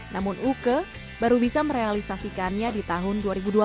namun uke baru bisa merealisasikannya di tahun dua ribu dua puluh